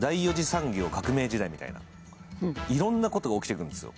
いろんなことが起きてくるんですよ。